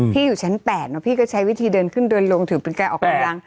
อยู่ชั้น๘พี่ก็ใช้วิธีเดินขึ้นเดินลงถือเป็นการออกกำลัง